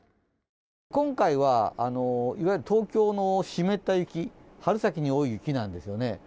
今回はいわゆる東京の湿った雪、春先に多い雪なんですよね。